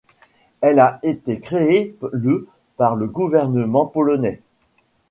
Elle a été créée le par le gouvernement polonais.